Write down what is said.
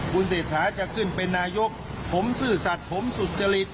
คุณเศรษฐาจะขึ้นเป็นนายกผมซื่อสัตว์ผมสุจริต